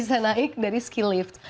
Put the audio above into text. bisa naik dari skill lift